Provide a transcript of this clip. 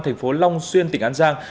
thành phố long xuyên tỉnh an giang